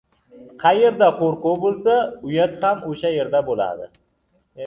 • Qayerda qo‘rquv bo‘lsa, uyat ham o‘sha yerda.